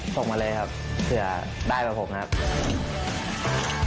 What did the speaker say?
ส่งมาเลยครับเผื่อได้เหมือนผมนะครับ